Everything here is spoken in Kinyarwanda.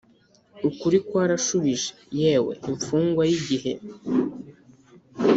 ukuri kwarashubije: yewe imfungwa yigihe,